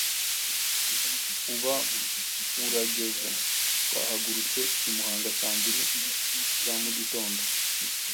uba urageze. Twahagurutse i Muhanga saa mbiri za mu gitondo,